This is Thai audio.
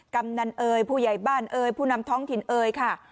กำนันเอ๋ยผู้ใหญ่บ้านเอ่ยผู้นำท้องถิ่นเอ๋ยค่ะ